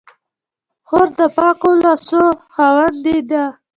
خور د پاکو لاسو خاوندې ده.